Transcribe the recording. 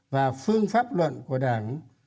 và phương pháp luận của đảng